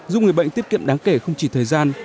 giúp người bệnh tiết kiệm đáng kể không chỉ thời gian